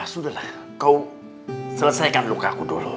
sudahlah kau selesaikan luka aku dulu